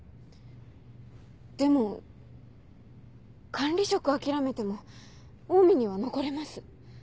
でも管理職諦めてもオウミには残れます。